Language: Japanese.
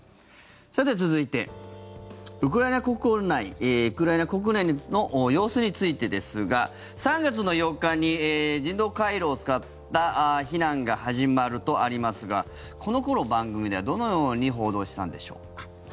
続いて、ウクライナ国内の様子についてですが３月の８日に人道回廊を使った避難が始まるとありますがこの頃、番組ではどのように報道したんでしょうか。